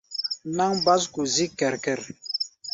Náŋ básko zík kɛr-kɛr.